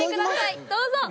どうぞ。